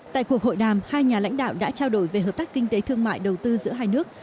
tại cuộc hội đàm hai nhà lãnh đạo đã trao đổi về hợp tác kinh tế thương mại đầu tư giữa hai nước